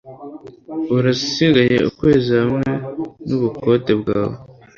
Urasigaye ukwezi hamwe nubukode bwawe.